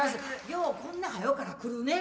ようこんな早から来るね